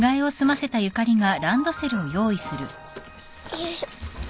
よいしょ。